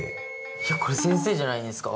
いやこれ先生じゃないんですか？